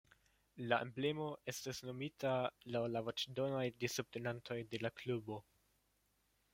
La emblemo estis nomita laŭ la voĉdonoj de subtenantoj de la klubo.